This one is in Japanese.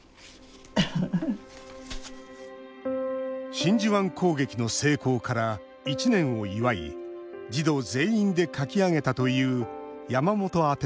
真珠湾攻撃の成功から１年を祝い児童全員で書き上げたという山本宛ての絵日記。